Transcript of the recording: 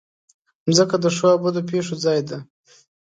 مځکه د ښو او بدو پېښو ځای ده.